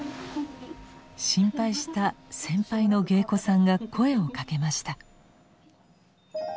心配した先輩の芸妓さんが声を掛けました。